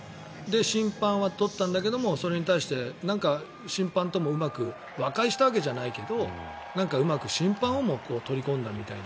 審判は取ったんだけどそれに対して審判ともうまく和解したわけじゃないけどうまく審判をも取り込んだみたいな。